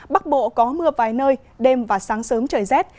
bắc bộ có mưa vài nơi đêm và sáng sớm trời rét